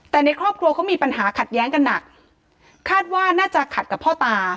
แต่ในครอบครัวเขามีปัญหาขัดแย้งกันหนักคาดว่าน่าจะขัดกับพ่อตา